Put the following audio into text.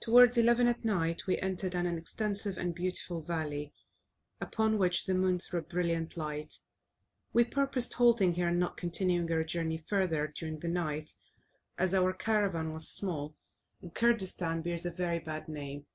Towards 11 at night we entered an extensive and beautiful valley, upon which the moon threw a brilliant light. We purposed halting here, and not continuing our journey further during the night, as our caravan was small, and Kurdistan bears a very bad name.